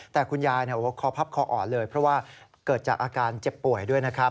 แต่คุณยายคอพับคออ่อนเลยเพราะว่าเกิดจากอาการเจ็บป่วยด้วยนะครับ